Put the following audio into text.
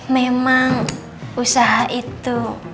memang usaha itu